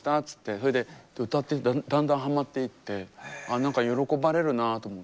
それで歌ってだんだんはまっていって何か喜ばれるなと思って。